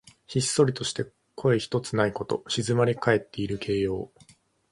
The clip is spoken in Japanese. ひっそりとして声ひとつないこと。静まりかえっている形容。